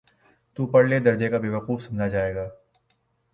تو پرلے درجے کا بیوقوف سمجھا جائے گا۔